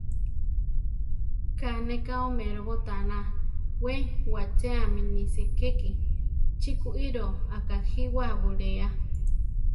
Ká ne ka oméro botána; we wachéami ni sekéki; chi kuíro akajíwa buléa.